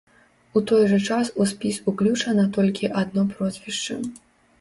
У той жа час у спіс уключана толькі адно прозвішча.